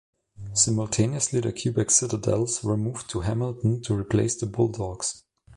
Simultaneously, the Quebec Citadelles were moved to Hamilton to replace the Bulldogs.